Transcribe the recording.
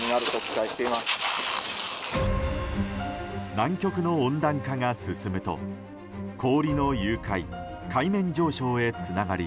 南極の温暖化が進むと氷の融解、海面上昇へつながり